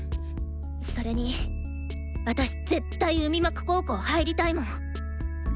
それに私絶対海幕高校入りたいもん！